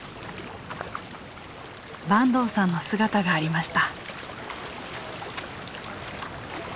坂東さんの姿がありました。